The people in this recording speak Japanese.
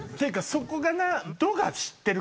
そこがな。